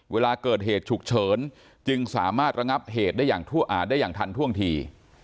เวลาเกิดเหตุฉุกเฉินจึงสามารถระงับเหตุได้อย่างทันท่วงที